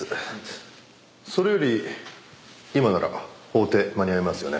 それより今なら法廷間に合いますよね？